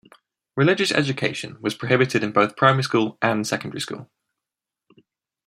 Religious education was prohibited in both primary and secondary school.